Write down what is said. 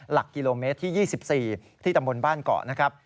หลักกิโลเมตรที่๒๔ที่ตำบลบ้านเกาะนะครับ